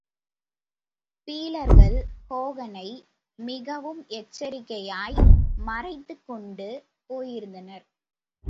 பீலர்கள் ஹோகனை மிகவும் எச்சரிக்கையாய் மறைத்துக் கொண்டு போயிருந்தனர்.